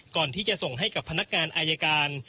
ก่อนที่จะส่งให้กับพนักงานอายการ